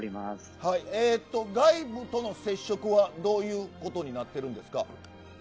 外部との接触は、どういうことになってるんですか？